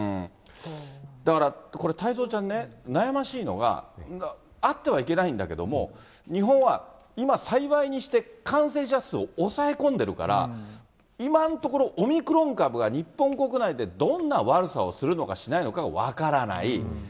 だから、これ、太蔵ちゃんね、悩ましいのが、あってはいけないんだけども、日本は今、幸いにして感染者数を抑え込んでるから、今のところオミクロン株が日本国内でどんな悪さをするのかしないのかが分からない。